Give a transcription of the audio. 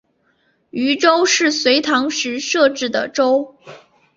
渝州是隋朝时设置的州。